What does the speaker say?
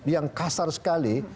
yang kasar sekali